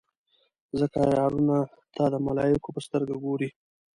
ځکه عیارانو ته د ملایکو په سترګه ګوري.